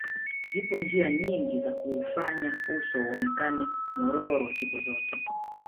Zipo njia nyingi za kuufanya uso uonekane mwororo siku zote